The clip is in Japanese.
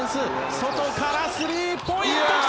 外からスリーポイント、来た！